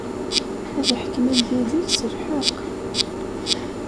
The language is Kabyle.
Ad iḥkem agdud-ik s lḥeqq.